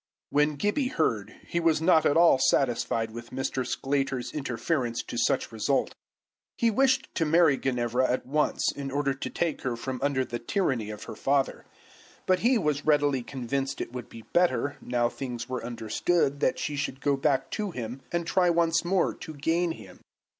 When Gibbie heard, he was not at all satisfied with Mr. Sclater's interference to such result. He wished to marry Ginevra at once, in order to take her from under the tyranny of her father. But he was readily convinced it would be better, now things were understood, that she should go back to him, and try once more to gain him.